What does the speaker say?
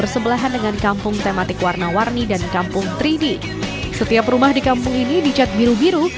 setiap rumah di kampung ini dicat biru biru